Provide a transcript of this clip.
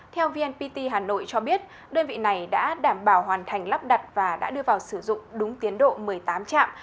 theo vnpt hà nội cho biết đơn vị này đã đảm bảo hoàn thành lắp đặt và đã đưa vào sử dụng đúng tiến độ một mươi tám trạm